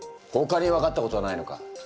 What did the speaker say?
ほかに分かったことはないのか？